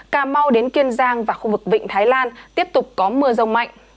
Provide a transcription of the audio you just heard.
sau đến kiên giang và khu vực vịnh thái lan tiếp tục có mưa rông mạnh